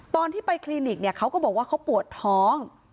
ตอนที่ไปคลินิกเนี่ยเขาก็บอกว่าเขาปวดท้อง